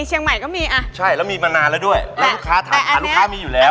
เชียงใหม่ก็มีอ่ะใช่แล้วมีมานานแล้วด้วยแล้วลูกค้าทานลูกค้ามีอยู่แล้ว